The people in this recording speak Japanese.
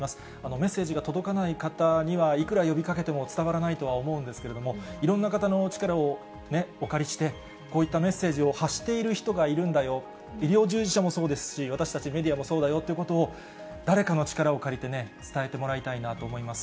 メッセージが届かない方には、いくら呼びかけても伝わらないとは思うんですけれども、いろんな方のお力をお借りして、こういったメッセージを発している人がいるんだよ、医療従事者もそうですし、私たちメディアもそうだよっていうことを、誰かの力を借りてね、伝えてもらいたいなと思います。